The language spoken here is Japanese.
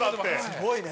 すごいね。